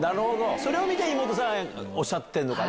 それを見て、妹さんはおっしゃってるのかな。